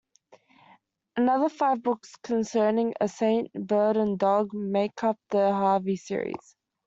Another five books concerning a Saint Bernard dog make up the "Harvey" series.